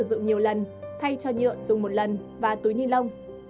tái sử dụng nhiều lần thay cho nhựa dùng một lần và túi nhiên lông